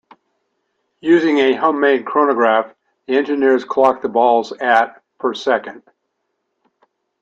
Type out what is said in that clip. Using a homemade chronograph, the engineers clocked the balls at per second.